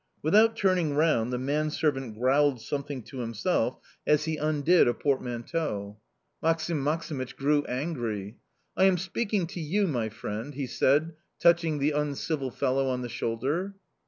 Without turning round the manservant growled something to himself as he undid a portmanteau. Maksim Maksimych grew angry. "I am speaking to you, my friend!" he said, touching the uncivil fellow on the shoulder.